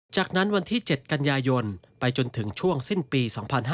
จากนั้นวันที่๗กันยายนไปจนถึงช่วงสิ้นปี๒๕๕๙